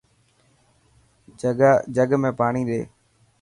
جگ ۾ پاڻي ڏي.